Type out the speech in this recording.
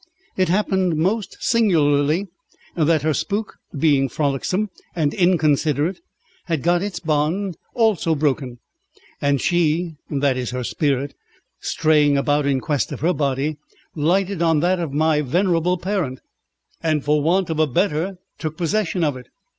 It happened most singularly that her spook, being frolicsome and inconsiderate, had got its bond also broken, and she, that is her spirit, straying about in quest of her body, lighted on that of my venerable parent, and for want of a better took possession of it.